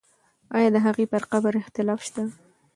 آیا د هغې پر قبر اختلاف شته؟